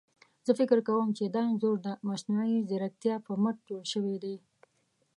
زه فکر کوم چي دا انځور ده مصنوعي ځيرکتيا په مټ جوړ شوي دي.